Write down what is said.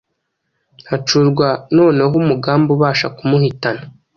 Hacurwa noneho umugambi ubasha kumuhitana.